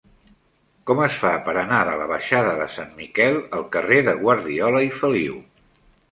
Com es fa per anar de la baixada de Sant Miquel al carrer de Guardiola i Feliu?